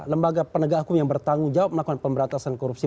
lembaga penegakum yang bertanggung jawab melakukan pemberantasan korupsi